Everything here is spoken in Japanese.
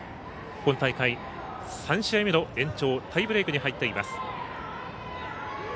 この大会、３試合目の延長タイブレークに入っています。